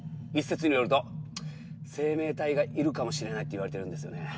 一説によると生命体がいるかもしれないっていわれてるんですよね。